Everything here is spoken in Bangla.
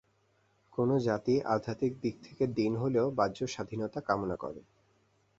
কোন জাতি আধ্যাত্মিক দিক থেকে দীন হলেও বাহ্য স্বাধীনতা কামনা করে।